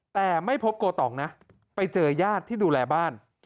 แต่ไม่พบโกตองนะไปเจอญาติที่ดูแลบ้าน